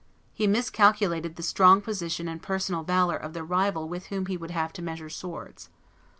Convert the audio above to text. He miscalculated the strong position and personal valor of the rival with whom he would have to measure swords.